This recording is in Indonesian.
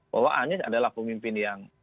bahwa anies adalah pemimpin yang